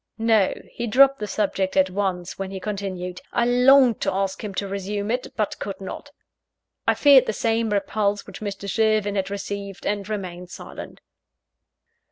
No: he dropped the subject at once, when he continued. I longed to ask him to resume it, but could not. I feared the same repulse which Mr. Sherwin had received: and remained silent.